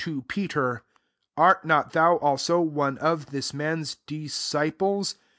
19o ^* Art not thou also one of this man's disciples ?"